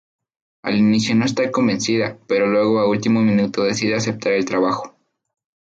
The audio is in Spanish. Al inicio no está convencida, pero luego a último minuto decide aceptar el trabajo.